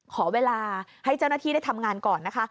ขอเวลาให้เจ้าหน้าที่ได้ทำงานก่อนนะคะ